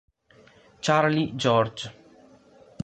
Charlie George